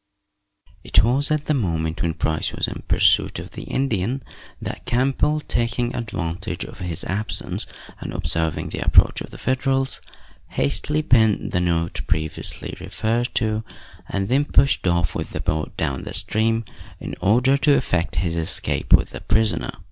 It was at the moment when Price was in pursuit of the Indian that Campbell, taking advantage of his absence, and observing the approach of the Federals, hastily penned the note previously referred to and then pushed off with the boat, down the stream, in order to effect his escape with the prisoner.